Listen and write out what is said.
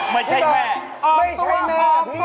อ๋อพี่บอกไม่ใช่แม่พี่